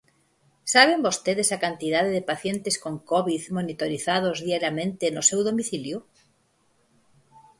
¿Saben vostedes a cantidade de pacientes con covid monitorizados diariamente no seu domicilio?